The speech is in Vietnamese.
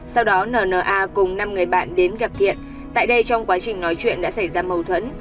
sau đó n n a cùng năm người bạn đến gặp thiện tại đây trong quá trình nói chuyện đã xảy ra mâu thuẫn